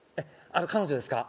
彼女ですか？